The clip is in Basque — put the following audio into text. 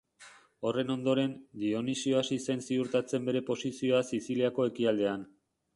Horren ondoren, Dionisio hasi zen ziurtatzen bere posizioa Siziliako ekialdean.